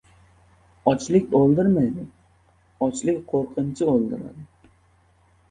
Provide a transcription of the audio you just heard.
• Ochlik o‘ldirmaydi, ochlik qo‘rqinchi o‘ldiradi.